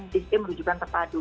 sistem merujukan terpadu